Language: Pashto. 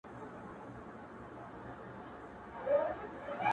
• ډېر هوښیار وو ډېري ښې لوبي یې کړلې,